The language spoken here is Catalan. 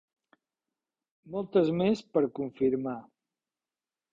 Moltes més per confirmar.